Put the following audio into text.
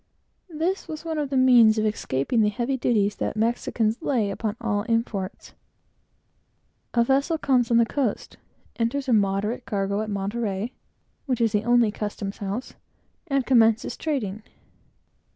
This was one of the means of escaping the heavy duties the Mexicans lay upon all imports. A vessel comes on the coast, enters a moderate cargo at Monterey, which is the only custom house, and commences trading.